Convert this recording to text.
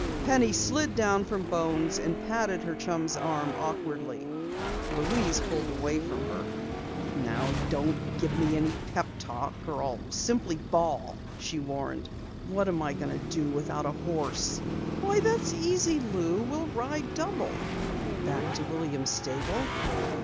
Penny slid down from Bones and patted her chum's arm awkwardly. Louise pulled away from her. "Now don't give me any pep talk or I'll simply bawl," she warned. "What am I going to do without a horse?" "Why, that's easy, Lou. We'll ride double." "Back to Williams' Stable?"